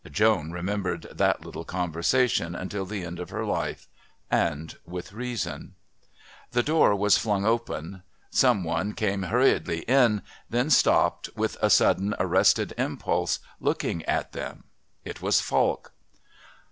Joan remembered that little conversation until the end of her life. And with reason. The door was flung open. Some one came hurriedly in, then stopped, with a sudden arrested impulse, looking at them. It was Falk.